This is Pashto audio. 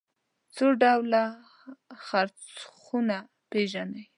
څو ډوله څرخونه پيژنئ.